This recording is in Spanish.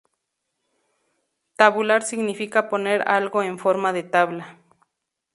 Tabular significa poner algo en forma de tabla.